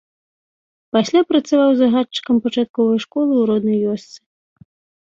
Пасля працаваў загадчыкам пачатковай школы ў роднай вёсцы.